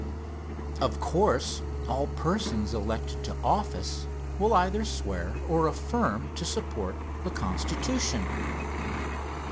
Of course all persons elected to office will either swear or affirm to support the Constitution.